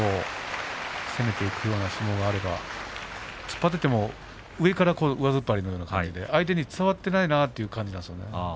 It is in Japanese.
攻めてくるような相撲があれば突っ張っていっても、上から上突っ張りのような感じで相手に伝わっていないなという感じですね。